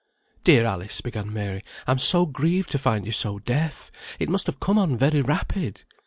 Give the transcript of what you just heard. "Dear Alice," began Mary, "I'm so grieved to find you so deaf; it must have come on very rapid."